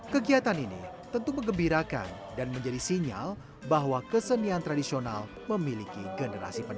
kegiatan ini tentu mengembirakan dan menjadi sinyal bahwa kesenian tradisional memiliki generasi penerus